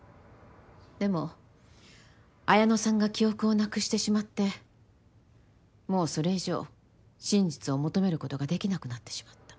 でも文乃さんが記憶をなくしてしまってもうそれ以上真実を求めることができなくなってしまった。